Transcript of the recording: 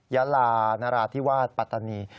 ยาลานราธิวาสปัตตานี